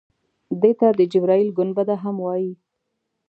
دې ته د جبرائیل ګنبده هم وایي.